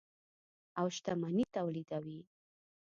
او شتمني تولیدوي.